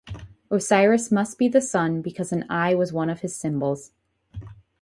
Osiris must be the sun because an eye was one of his symbols.